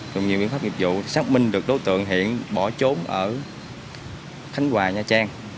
dùng nhiều biện pháp nghiệp vụ xác minh được tố tượng hiện bỏ trốn ở thánh hòa nha trang